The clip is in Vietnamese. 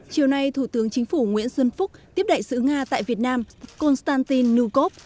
chiều nay thủ tướng chính phủ nguyễn xuân phúc tiếp đại sứ nga tại việt nam konstantin nukov